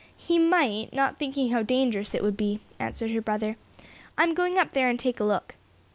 "He might; not thinking how dangerous it would be," answered her brother. "I'm going up there and take a look."